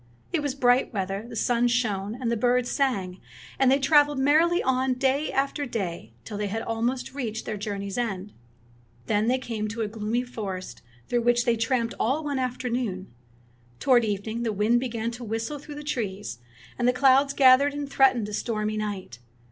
It was bright weather, the sun shone, and the birds sang, and they traveled merrily on day after day till they had almost reached their journey's end. Then they came to a gloomy forest through which they tramped all one afternoon. Toward evening the wind began to whistle through the trees, and the clouds gathered and threatened a stormy night.